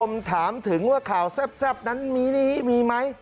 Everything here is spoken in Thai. ผมถามถึงว่าข่าวแซ่บนั้นมีนี้มีไหม